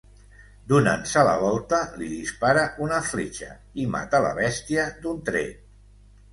Donant-se la volta, li dispara una fletxa i mata la bèstia d'un tret.